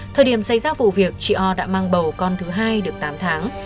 thời điểm xảy ra vụ việc chị o đã mang bầu con thứ hai được tám tháng